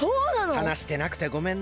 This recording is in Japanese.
はなしてなくてごめんな。